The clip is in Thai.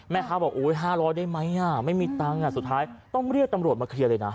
แม่ค้าบอกโอ๊ย๕๐๐ได้ไหมไม่มีตังค์สุดท้ายต้องเรียกตำรวจมาเคลียร์เลยนะ